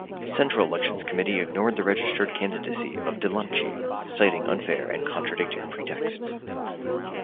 Central Elections Committee ignored the registered candidacy of Dilanchi, citing unfair and contradicting pretexts.